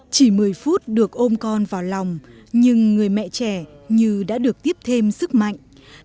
chỉ một mươi phút được ôm con vào lòng nhưng người mẹ trẻ như đã được tiếp thêm sức mạnh